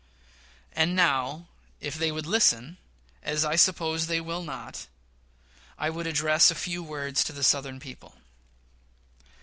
And now, if they would listen as I suppose they will not I would address a few words to the Southern people.